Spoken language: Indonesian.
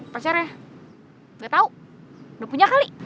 pacarnya gak tau udah punya kali